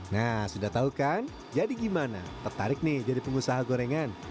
nah sudah tahu kan jadi gimana tertarik nih jadi pengusaha gorengan